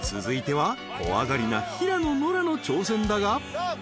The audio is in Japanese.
［続いては怖がりな平野ノラの挑戦だが］